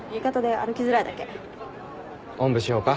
おんぶしようか？